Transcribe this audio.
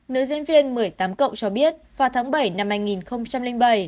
nữ diễn viên một mươi tám cộng cho biết vào tháng bảy năm hai nghìn bảy